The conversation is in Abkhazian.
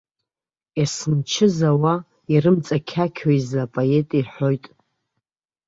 Ес мчы зауа ирымҵақьақьо изы апоет иҳәоит.